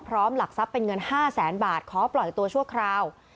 หลักทรัพย์เป็นเงิน๕แสนบาทขอปล่อยตัวชั่วคราว